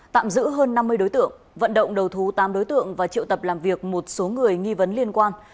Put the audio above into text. tạm giữ hơn năm mươi đối tượng vận động đầu thú tám đối tượng và triệu tập làm việc một số người nghi vấn liên quan